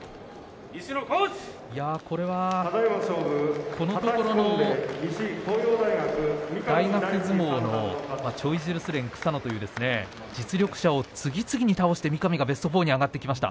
これは、このところの大学相撲のチョイジルスレン草野いう実力者を次々に倒して三上は、ベスト４に上がりました。